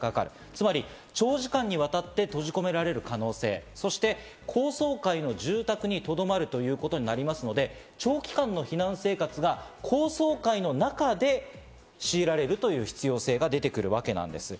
つまり長時間にわたって閉じ込められる可能性、そして高層階の住宅にとどまるということになりますので、長期間の避難生活が高層階の中でしいられるという必要性が出てくるわけなんです。